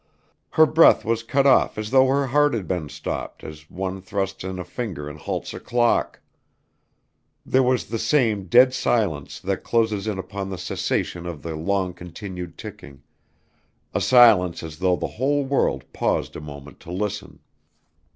Her breath was cut off as though her heart had been stopped, as when one thrusts in a finger and halts a clock. There was the same dead silence that closes in upon the cessation of the long continued ticking a silence as though the whole world paused a moment to listen.